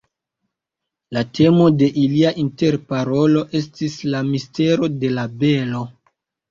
La temo de ilia interparolo estis la mistero de la belo.